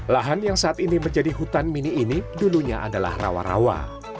lahan yang saat ini menjadi hutan mini ini dulunya adalah rawa rawa